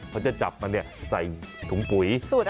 เขาจะจับมันใส่ถุงปุ๋ย